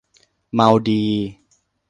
เมาดี